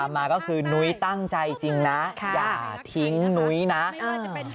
มนุ้ยตั่งใจจริงเนี่ยครับ